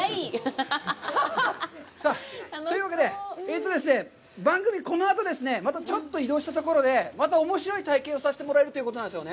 さあ、というわけで、えっとですね、番組は、このあとですね、またちょっと移動したところで、またおもしろい体験をさせてもらえるということなんですよね？